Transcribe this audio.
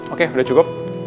oke udah cukup